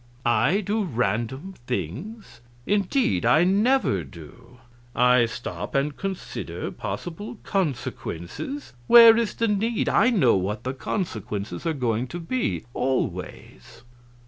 I do random things? Indeed, I never do. I stop and consider possible consequences? Where is the need? I know what the consequences are going to be always."